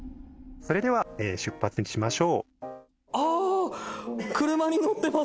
それでは出発しましょう。